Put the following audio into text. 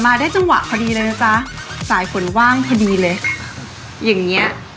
มันอยู่ไหมวะเนี่ย